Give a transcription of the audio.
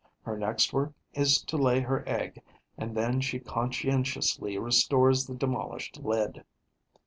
Her next work is to lay her egg and then she conscientiously restores the demolished lid.